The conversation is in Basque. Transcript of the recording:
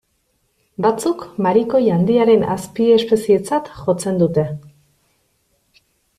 Batzuk marikoi handiaren azpiespezietzat jotzen dute.